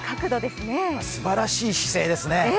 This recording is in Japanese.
すばらしい姿勢ですね。